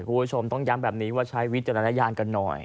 คุณผู้ชมต้องย้ำแบบนี้ว่าใช้วิจารณญาณกันหน่อย